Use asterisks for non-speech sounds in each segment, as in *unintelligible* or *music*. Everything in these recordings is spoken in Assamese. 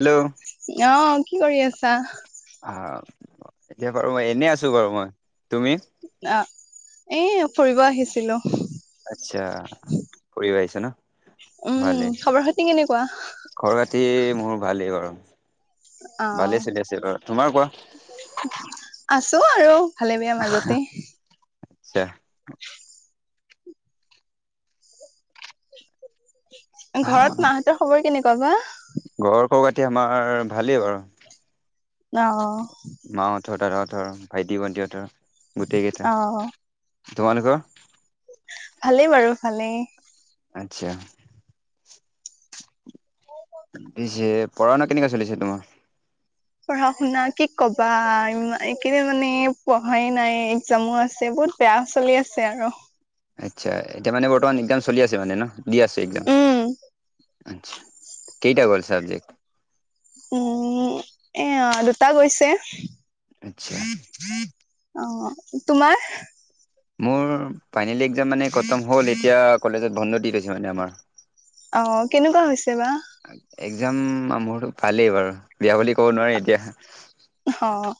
হেল্ল'। অ', কি কৰি আছা? আহ এতিয়া বাৰু, এনে আছো বাৰু মই, তুমি? অ', এ ফুৰিব আহিছিলো। আচ্ছা, ফুৰিব আহিছা ন। উম, খবৰ-খাতি কেনেকুৱা? খবৰ-খাতি মোৰ, ভালেই বাৰু। ভালে অ', চলি আছে বাৰু তোমাৰ কোৱা আছো আৰু। ভালে, বেয়া মাজতে। আচ্ছা। ঘৰত মাহঁতৰ খবৰ কেনেকুৱা বা? ঘৰৰ খবৰ-খাতি, আমাৰ ভালেই বাৰু। অ', অ'। মাহঁতৰ, দাদাহঁতৰ, ভাইটি, ভণ্টিহঁতৰ গোটেই কেইটা, অ', তোমালোকৰ? ভালেই বাৰু ভালে। আচ্ছা। পিছে, পঢ়া-শুনা কেনেকুৱা চলিছে তোমাৰ? পঢ়া-শুনা কি ক'বা, ইমা এইকেইদিন মানে পঢ়াই নাই, এক্সামো আছে বহুত। বেয়া চলি আছে আৰু। আচ্ছা, এতিয়া মানে, বৰ্তমান এক্সাম চলি আছে মানে ন, দি আছে এক্সাম। উম, আচ্ছা, কেইটা গ'ল চাবজেক? উম, এয়া, দুটা গৈছে। আচ্ছা। অ', তোমাৰ? মোৰ ফাইনেল এক্সাম মানে খটম হ'ল, এতিয়া, কলেজত বন্ধ দি থৈছে মানে আমাৰ। অ', কেনেকুৱা হৈছে বা? এক্সাম মোৰ ভালেই বাৰু, বেয়া বুলি ক'ব নোৱাৰি এতিয়া। অ'।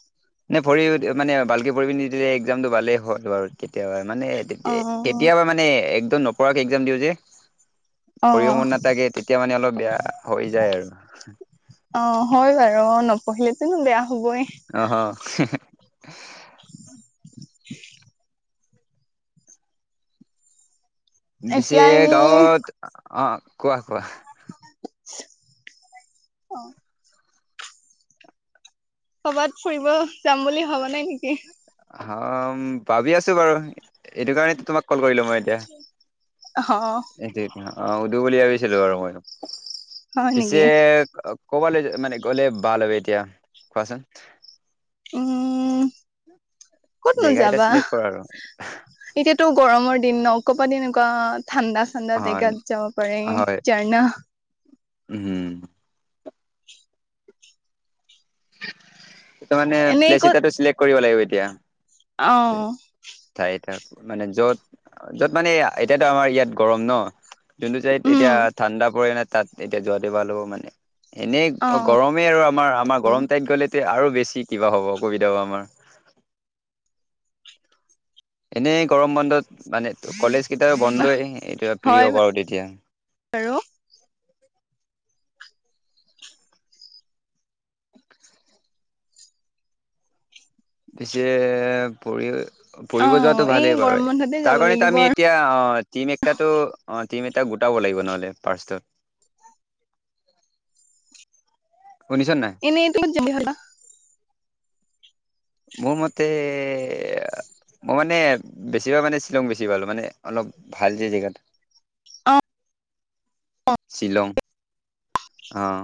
নে পঢ়ি, মানে ভালকে পঢ়ি, নিদিলে এক্সমটো ভালেই হ'ল বাৰু। কেতিয়াবা মানে, অ', কেতিয়াবা মানে, একদম নপঢ়াকে এক্সাম দিওঁ যে। পঢ়িব অ', মন নাথাকে, তেতিয়া মানে, অলপ বেয়া হৈ যায় আৰু। অ', হয় বাৰু, নপঢ়িলেতোন বেয়া হ'বই। অ', অ'। *unintelligible* বিছে এতিয়া এনেই গাঁৱত, অ' কোৱা কোৱা? অ'। ক'বাত ফুৰিব যাম বুলি ভবা নাই নেকি? ভাবি আছো বাৰু, এইটো কাৰণে তোমাক কল কৰিলোঁ। মই এতিয়া, অ অ উদু বুলি ভাবিছিলো বাৰু মই। হয় পিছে নেকি কবালে মানে গলে ভাল হব এতিয়া কোৱাচোন? উম' কতনো জেগা এটা যাবা? চিলেক্ট কৰা আৰু এতিয়াটো গৰমৰ দিন ন, কৰপা তেনেকুৱা ঠাণ্ডা ঠাণ্ডা জেগাত যাব পাৰি, অ হয় জাৰ্ণা। উম। ত মানে এনেই প্লেচ ক'ত এটাটো চিলেক্ট কৰিব লাগিব এতিয়া। অ। ঠাই, মানে য'ত য'ত মানে এতিয়াতো আমাৰ ইয়াত গৰম ন। যোনটো চাইদ এতিয়া উম ঠাণ্ডা পৰে না, তাত এতিয়া যোৱা দে ভাল হ'ব মানে। এনেই অ গৰম মে আৰু আমাৰ আমাৰ গৰম টাইত গ'লে আৰু বেছি কিবা হ'ব অসুবিধা হব আমাৰ। এনেই গৰম বন্ধত মানে কলেজ কেতিয়াবা বন্ধই এতিয়া প্ৰিয় হয় বাৰু তেতিয়া। বাৰু পিছে পঢ় অ পঢ়িব যোৱাটো এই ভালেই বাৰু গৰম বন্ধতে যাব তাৰ কাৰণেত লাগিব আমি আৰু এতিয়া অ টিম একটাটো অ টিম এটা গোটাব লাগিব নহ'লে ফাষ্টত। শুনিছান নাই। *unintelligible* মোৰ মতে মই মানে বেছি ভাগ মানে শ্বিলং বেছি ভাল, মানে অলপ ভাল যে জেগাতো। অ শ্বিলং, অঁ।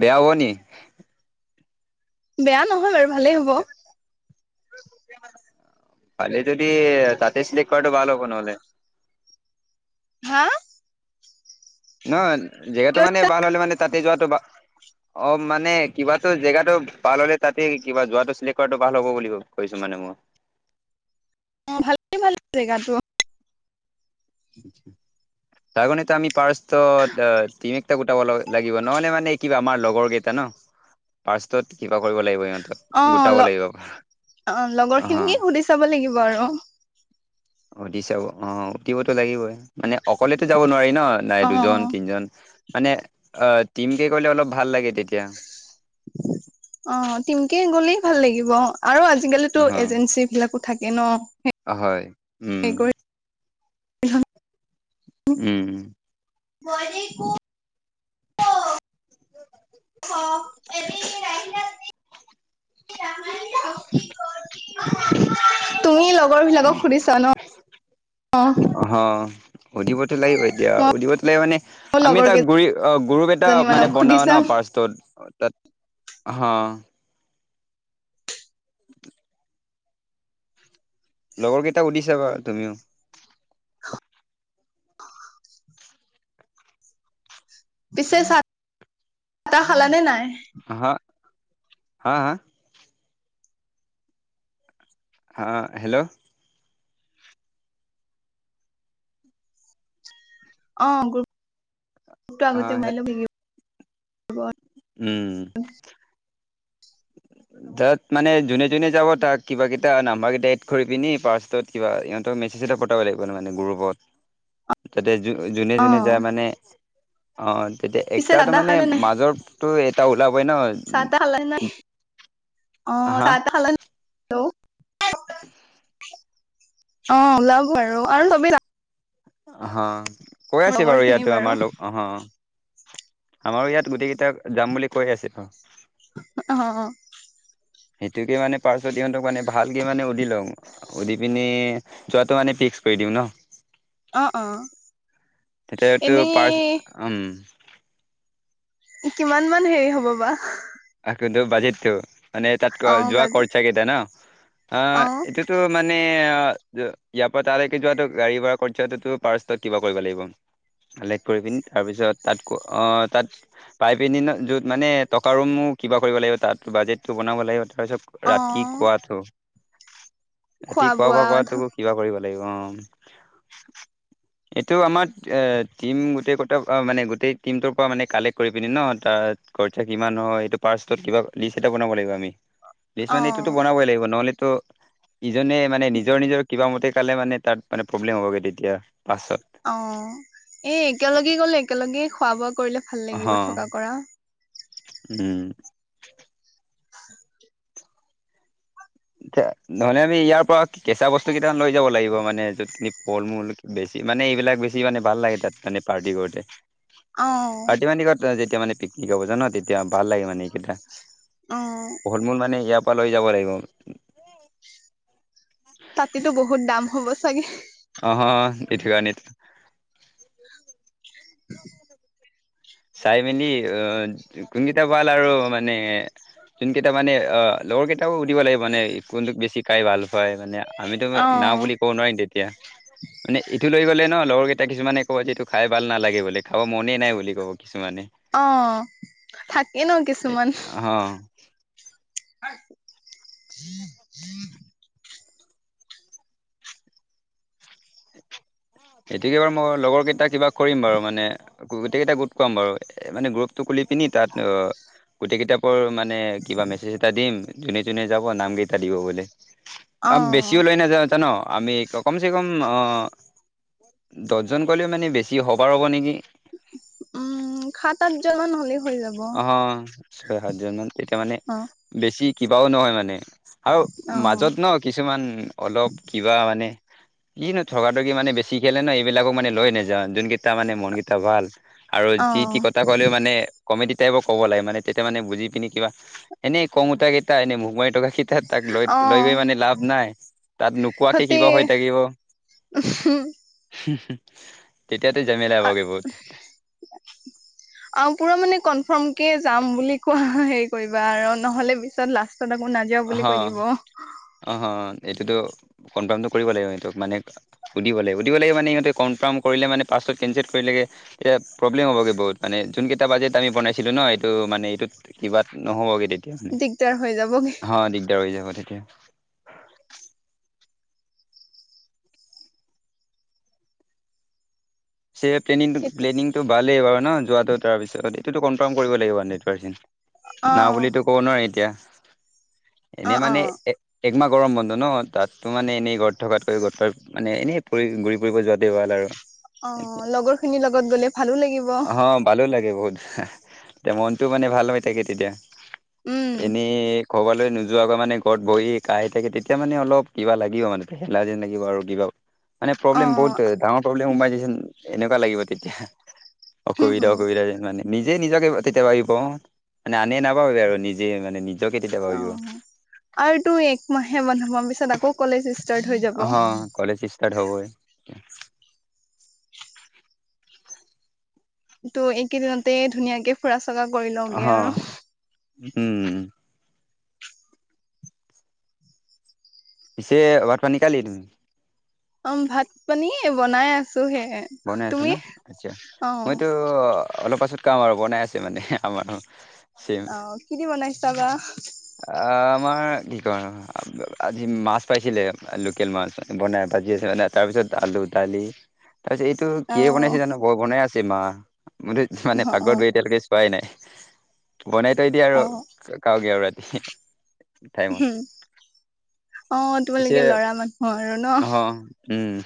বেয়া হ'ব নি? বেয়া নহয় বাৰু ভালেই হ'ব। পালি যদি তাতে চিলেক্ট কৰাটো ভাল হ'ব নহ'লে। হা? ন, জেগাটো মানে ভাল হ'লে মানে তাতে যোৱাটো ভা অ', মানে কিবাটো জেগাটো ভাল হ'লে, তাতে কিবা যোৱাটো চিলেক্ট কৰাটো ভাল হ'ব বুলি ক কৈছোঁ মানে মই। অঁ, ভালেই ভাল জেগাটো। তাৰ কাৰণেটো আমি পাৰষ্টত এ তিমিক গোটাব লাগিব, নহ'লে মানে কিবা আমাৰ লগৰকেইটা ন পাষ্টট কিবা কৰিব লাগিব ইহঁত। অঁ, ল অ লগৰখিনিক সুধি চাব লাগিব আৰু। সুধি চাব, অ' উঠিবতো লাগিবই, মানে অকলেতো যাব নোৱাৰি ন। নাই, অ দুজন, তিনজন। মানে আ টিমকে গ'লে অলপ ভাল লাগে তেতিয়া। অ', টিমকে গ'লেই ভাল লাগিব আৰু আজিকালি ত অ এজেঞ্চি বিলাকো থাকে ন। হয়, সেই উম', কৰি উম'। *unintelligible* *unintelligible* তুমি লগৰ বিলাকক সুধিছা ন? অঁ। অঁ। সুধিবতো লাগিবই এতিয়া, মই সুধিবতো লাগিব মানে মোৰ আমি লগৰ এটা গুৰি অঁ গুৰুপ এটা কেইজনী মানক মানে সুধি বনাওঁ ন চাম ফাৰ্ষ্টত। তাত, হা *inaudible* লগৰকেইটাক সুধি চাবা তুমিও? *inaudible* পিছে চা- তাহ খালা নে নাই? আহা। হা, হা? হা, হেল্ল'? অঁ, গ্ৰুপ-টো অ আগতে *unintelligible* উম। তাত মানে যোনে যোনে যাব, তাক কিবা কিটা নাম্বাৰকেইটা এদ কৰি পিনি পাৰষ্টত কিবা ইহঁত মেছেজ এটা কতাব লাগিব ন মানে গ্ৰুপত। তাতে যো যোনে অ যোনে যায় মানে, অঁ তেতিয়া পিছে একটা চাহ ত' তাহ মানে খালানে নাই মাজৰ টো, এটা ওলাবই ন? হা *unintelligible* অ', ওলাব আৰু, আৰু *unintelligible* হা। কৈ যাম আছে লগৰ বাৰু খিনি ইয়াতো আমাৰ লগ *unintelligible* আমাৰো ইয়াত গোটেইকেইটা যাম বুলি কৈ আছে। অ। অঁ। সেইটোকে মানে পাৰ্শ্বত ইহঁতক মানে ভালকে মানে সুধি লওঁ। সুধি পিনি যোৱাটো মানে ফিক্স কৰি দিওঁ ন? অ অ তেতিয়াটো পাৰ্চ, এনেই উম। কিমান মান হেৰি হ'ব বা? আকতো বাজেটতো, মানে তাত ক অ যোৱা বাজি কৰচা কেইটা ন? আহ অ এইটো টো, মানে আহ ইয়াৰ পৰা তালৈকে যোৱাতো গাড়ী ভাড়া কৰচাটোতো পাৰষ্টত কিবা কৰিব লাগিব। কালেক্ট কৰি পিনি তাৰপিছত তাত, অঁ তাত পাই পেনি ন' য'ত মানে টকা ৰুমো কিবা কৰিব লাগিব তাত, বাজেটটো বনাব লাগিব, তাৰপিছত অ ৰাতিপুৱাটো। ৰাতি খোৱা- বোৱা কৰাটো কিবা কৰিব লাগিব অ'। এইটো আমাৰ এ টিম গোটে গোটে এ মানে গোটেই টিমটোৰ পৰা মানে কালেক্ট কৰি পিনি ন'। তাৰ খৰচা কিমান হয়? এইটো ফাৰ্ষ্টত কিবা লিষ্ট এটা বনাব লাগিব আমি। লিষ্ট অ মানে এইটোতো বনাবই লাগিব। নহ'লেতো ইজনে মানে নিজৰ নিজৰ কিবা মতে কালে মানে তাত মানে প্ৰব্লেম হ'বগে তেতিয়া পাছত। অ', এ, একেলগে গলে একেলগেই খোৱা-বোৱা কৰিলে ভাল অহ লাগিব থকা কৰা। উম। নহ'লে আমি ইয়াৰ পৰা কেঁচা বস্তু কেইটামান লৈ যাব লাগিব মানে য'তখিনি ফল-মূল বেছি। মানে এইবিলাক বেছি মানে ভাল লাগে তাত মানে পাৰ্টি কৰোঁতে। অ *unintelligible* যেতিয়া মানে পিকনিক হব। জান' তেতিয়া ভাল লাগে মানে এইকেইটা। অ'। ফল- মূল মানে ইয়া পা লৈ যাব লাগিব। তাতেতো বহুত দাম হ'ব চাগে। অ হ, এইতো কাৰণে *inaudible* চাই মেলি অ' কোনগিতা ভাল আৰু মানে যোনকেইটা মানে অ লগৰ কেইটাও শুধিব লাগিব নে কোনটোক বেছি খাই ভাল পায় মানে, আমিতো অ না বুলি কব নোৱাৰিম তেতিয়া। মানে এইটো লৈ গ'লে ন' লগৰ কেইটা কিছুমানে ক'ব যে এইটো খাই ভাল নালাগে বোলে, খাব মনেই নাই বুলি ক'ব। কিছুমানে। অ' থাকে ন' কিছুমান। অ',। *unintelligible* সেইটোকে বাৰু মই লগৰ কেইটা কিবা কৰিম বাৰু মানে গোটেই কেইটা ক'ত পাম বাৰু মানে গ্ৰুপটো খুলি পিনি তাত গোটেই কেইটা মানে কিবা মেছেজ এটা দিম যোনে- যোনে যাব নাম কেইটা দিব বুলি। অ আপ বেছিও লৈ নাযাওঁ জান আমি কম চে কম অ', দহজন গ'লেও মানে বেছি অভাৰ হ'ব নেকি? উম সাত সাতজন মান হ'লে হৈ যায়। অ' ছয়, সাতজন মান তেতিয়া মানে বেছি কিবাও নহয় মানে। আৰু অ মাজত ন' কিছুমান অলপ কিবা মানে কিনো ন' থকা থকি মানে বেছি খেলে ন' এইবিলাকো মানে লৈ নাযাওঁ। যোনকেইটা মানে মনকেইটা ভাল আৰু অ যি টি কথা ক'লেও মানে কমেডি টাইপৰ ক'ব লাগে মানে তেতিয়া মানে বুজি পিনি কিবা, এনে খং উঠা কেইটা, এনে মুখ মাৰি থকা কেইটা তা তাক লৈ অ লৈ গৈ মানে লাভ নাই তাত নোকোৱাকে কিবা হয় থাকিব। উহু। তেতিয়াতো জামেলা হবগে বহুত। অ পুৰা মানে কনফাৰ্ম কে যাম বুলি কোৱা হেৰি কৰিবা আৰু নহলে পিছত লাষ্ট পিছত আকৌ নাযাওঁ বুলি কৈ দিব। অ' অ' এইটোতো কনফাৰ্মটো কৰিব লাগিব এইটোক মানে শুধিব লাগিব শুধিব লাগিব মানে সিহঁতে কনৰ্ফাম কৰিলে মানে পাছত কেঞ্চেল কৰিলেগে তেতিয়া প্ৰব্লেম হ'বগৈ বহুত মানে, যোনকেইটা বাজেট আমি বনাইছিলো ন' এইটো মানে এইটোত কিবা নহ'বগে তেতিয়া। মানে দিগদাৰ হৈ যাবগে। অ', দিগদাৰ হৈ যাব তেতিয়া। পিছে এতি প্লেনিংটো ভালেই বাৰু ন যোৱাটো তাৰপিছত এইটোতটো কনফাৰ্ম কৰিব লাগিব হাড্ৰেড পাৰ্চণ্ট। অ না বুলিতো ক'ব নোৱাৰি এতিয়া অ এনেই অ মানে একমাহ গৰম বন্ধ ন তাতো মানে এনেই ঘৰত থকাতকৈ ঘৰৰ পৰা মানে এনেই পৰি ফুৰিব যোৱাতে ভাল আৰু। অ লগৰ খিনিৰ লগত গলে ভালো লাগিব। অ ভালো লাগে বহুত এতিয়া মনটো মানে ভাল হৈ থাকে তেতিয়া উম এনেই ক'ৰবালৈ নোযোৱাকৈ মানে ঘৰত বৰি কাঁহি থাকে তেতিয়া মানে অলপ কিবা লাগিব মানে পেহেলা যেন লাগিব আৰু কিবা। মানে অ প্ৰব্লেম বহুত ডাঙৰ প্ৰব্লেম সোমাই দিছে এনেকুৱা লাগিব তেতিয়া। হুম অসুবিধা হুম অসুবিধা যেন নিজে নিজকে তেতিয়া ভাবিব অ মানে আনে নাভাবিব আৰু নিজে মানে নিজকে তেতিয়া অ ভাবিব। আৰু তোৰ একমাহে বন্ধ পাম পিছত আকৌ কলেজ ষ্টাৰ্ট হৈ অ যাব। কলেজ ষ্টাটাড হ'বই। ত' এইকেই দিনত ধুনিয়াকে ফুৰা চকা কৰি লও। *unintelligible* পিছে ভাত পানীখালি তুমি? উম ভাত পানী বনাই আছোঁ সেয়ে। বনাই আছো নো আচ্ছা মইতো অ' অলপ পাছত খাম আৰু বনাই আছে মানে আমাৰ অ' কি দি বনাইছে বা? অ' আমাৰ কি কম আজি মাছ পাইছিলে, লোকেল মাছ ভাজি আছে বনাই। তাৰপিছত আলু, দালি তাৰ পিছত এইটো অ কিহয়ে বনাইছে জানোঁ বৰ বনাই আছে মা মোৰতো মানে অ অ পাকঘৰত গৈ এতিয়ালৈকে কোৱাই নাই, বনাই থৈয় দিয়ে অ আৰু কাওগে আৰু ৰাতি। টাইমত উম, অ' পিছে তোমালোকে ল'ৰা মানুহ আৰু অ নহ। উম।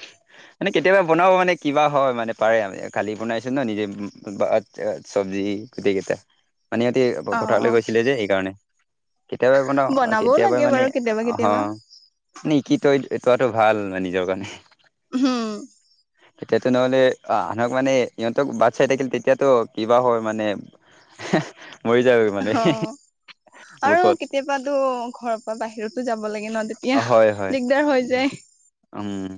মানে কেতিয়াবা বনাব মানে কিবা হয়, মানে পাৰে আমি কালি বনাইছোঁ ন নিজে বা এতিয়া চব্জি গোটেই কেইটা মানে ইহঁতি অ পথাৰলৈ অ গৈছিলে যে এইকাৰণে কেতিয়াবা বনাওঁ। বনাবও কেতিয়াবা লাগে মানে বাৰু কেতিয়াবা আহ কেতিয়াবা নি কি তই কৰাটো ভাল মে নিজৰ কাৰণে হ'ম। তেতিয়াতো নহ'লে আহ আনক মানে ইহঁতক বাট চাই থাকিল, তেতিয়াতো কিবা হয় মানে মৰি যাওঁ গৈ মানে অ আৰু বুকত কেতিয়াবাতো ঘৰৰ পৰা বাহিৰতো যাব লাগে ন তেতিয়া অ' হয়, হয়, দিগদাৰ হৈ যায় উম।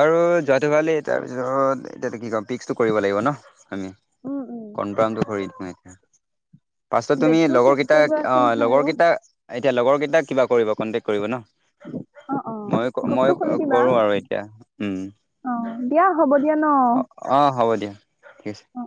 আৰু যোৱাটোকালি তাৰপিছত এতিয়াটো কি কম ফ্ৰিক্সটো কৰিব লাগিব ন। আমি উম উম কনফ্ৰামটো কৰি আমি পাছত তুমি ডেটটো লগৰ ফিক্স কেইটা কৰিব আছে অ' নহয় লগৰ আৰু কেইটা এতিয়া লগৰ কেইটাক কিবা কৰিব কণ্টেক্ট কৰিব ন অ অ মইয়ো গ্ৰুপটো মই খুলি দিবা কৰোঁ আৰু এতিয়া উম, অ দিয়া হ'ব দিয়া ন অ অ' হ'ব দিয়া ঠিক আছে। অ